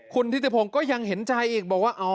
คุณทิติพงศ์ก็ยังเห็นใจอีกบอกว่า